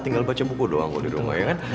tinggal baca buku doang kalau di rumah ya kan